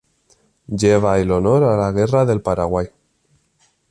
Lleva el Honor a la Guerra del Paraguay.